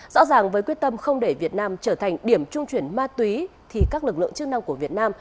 rõ ràng với quyết tâm không để việt nam trở thành điểm trung chuyển ma túy thì các lực lượng chức năng của việt nam